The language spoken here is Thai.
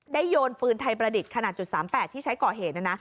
โยนปืนไทยประดิษฐ์ขนาด๓๘ที่ใช้ก่อเหตุนะนะ